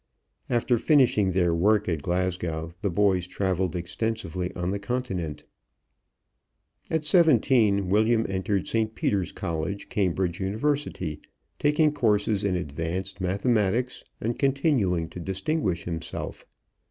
After finishing their work at Glasgow the boys traveled extensively on the Continent. At seventeen William entered St. Peter's College, Cambridge University, taking courses in advanced mathematics and continuing to distinguish himself.